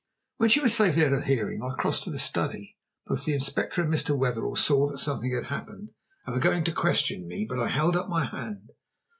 When she was safely out of hearing I crossed to the study. Both the Inspector and Mr. Wetherell saw that something had happened, and were going to question me. But I held up my hand.